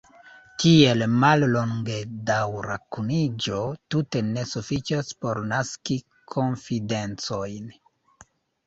Tiel mallongedaŭra kuniĝo tute ne sufiĉas por naski konfidenciojn.